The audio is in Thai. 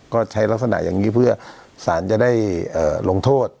ก็ใช้ลักษณะอย่างนี้เพื่อสารจะได้ลงโทษ